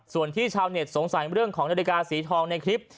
ส่วนที่ชาวเน็ตสงสัยเรื่องของนาฬิกาสีทองในคลิป